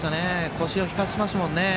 腰を引かせましたからね。